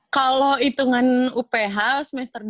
kalau hitungan uph semester dua